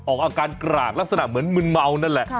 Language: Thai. ออกอาการกรากลักษณะเหมือนมึนเมานั่นแหละ